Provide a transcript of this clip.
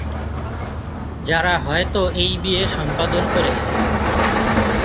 যারা হয়তো এই বিয়ে সম্পাদন করেছে।